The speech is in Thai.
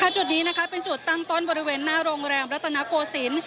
จุดนี้เป็นจุดตั้งต้นบริเวณหน้าโรงแรมรัตนโกศิลป์